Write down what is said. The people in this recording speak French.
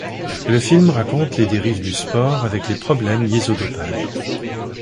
Le film raconte les dérives du sport avec les problèmes liés au dopage.